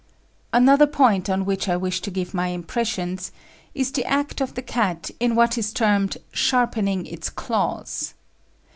Another point on which I wish to give my impressions is the act of the cat in what is termed "sharpening its claws."